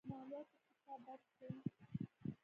مالياتو څخه بچ شي.